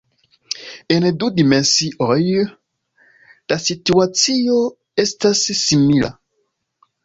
En du dimensioj la situacio estas simila.